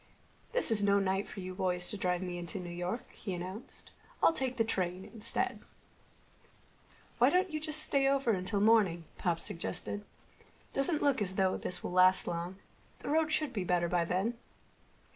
"This is no night for you boys to drive me into New York," he announced. "I'll take the train instead." "Why don't you just stay over until morning?" Pop suggested. "Doesn't look as though this will last long. The roads should be better then."